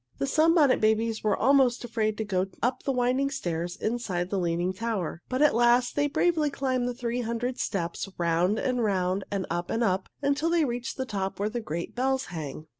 The Sunbonnet Babies were almost afraid to go up the winding stairs inside the Leaning Tower. But at last they bravely climbed the three hundred steps, round and round and up and up, until they reached the top where the great bells hang.